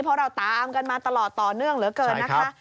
เพราะเราตามกันมาตลอดต่อเนื่องเหลือเกินนะคะ